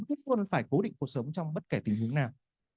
luôn luôn phải cố định cuộc sống trong bất kể tình hướng nào